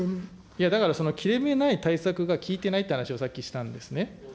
いや、だからその切れ目ない対策が効いてないという話をさっきしたんですね。